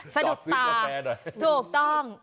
สะดุดตาถูกต้อง